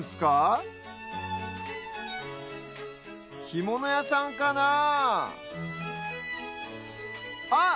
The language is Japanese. ひものやさんかなああっ！